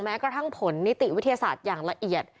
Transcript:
กระทั่งผลนิติวิทยาศาสตร์อย่างละเอียด